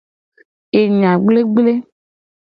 Enya gblegble.